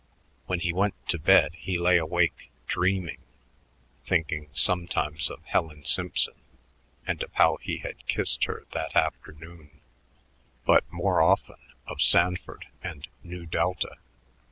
When he went to bed, he lay awake dreaming, thinking sometimes of Helen Simpson and of how he had kissed her that afternoon, but more often of Sanford and Nu Delta.